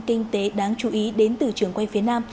kinh tế đáng chú ý đến từ trường quay phía nam